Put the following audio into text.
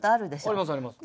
ありますあります。